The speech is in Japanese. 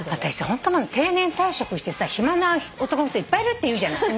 定年退職してさ暇な男の人いっぱいいるっていうじゃない。